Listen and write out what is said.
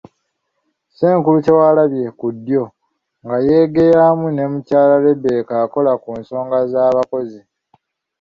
Ssenkulu Kyewalabye (ku ddyo) nga yeegeyamu ne Mukyala Rebecca akola ku nsonga z’abakozi.